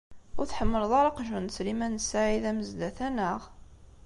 Ur tḥemmleḍ ara aqjun n Sliman u Saɛid Amezdat, anaɣ?